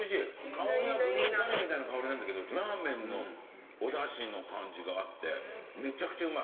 香りはグリーンカレーみたいな香りなんだけどラーメンのおだしの感じがあってめちゃくちゃうまい。